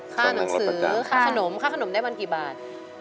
ค่าหน่งสือค่าขนมได้บันกี่บาท